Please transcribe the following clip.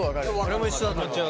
俺も一緒だと思う。